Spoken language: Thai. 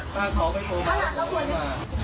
ด้านตรงไหนคะ